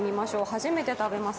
初めて食べます。